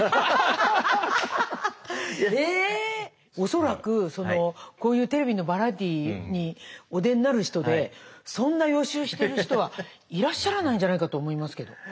恐らくこういうテレビのバラエティーにお出になる人でそんな予習してる人はいらっしゃらないんじゃないかと思いますけど。